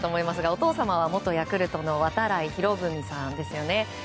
お父様は、元ヤクルトの度会博文さんですよね。